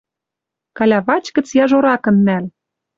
Калявач гӹц яжоракын нӓл!